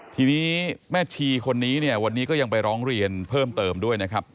ทีนี้แม่ชีคนนี้เนี่ยวันนี้ก็ยังไปร้องเรียนเพิ่มเติมด้วยนะครับ